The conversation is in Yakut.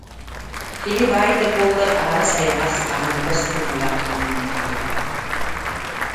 Кини баай да буоллар, аһара сайаҕас, аһыныгас дууһалаах киһинэн ахтыллара